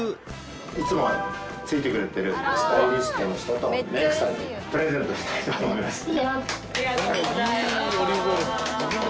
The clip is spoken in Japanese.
いつもついてくれてるスタイリストの人とメークさんにプレゼントしたいと思います。